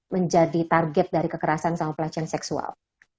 menjadi target dari kekerasan sama pelecehan seksual